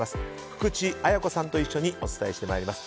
福地寧子さんと一緒にお伝えします。